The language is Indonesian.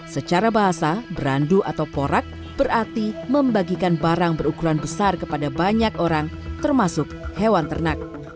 secara bahasa berandu atau porak berarti membagikan barang berukuran besar kepada banyak orang termasuk hewan ternak